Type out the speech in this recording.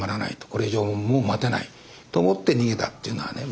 これ以上もう待てないと思って逃げたっていうのはね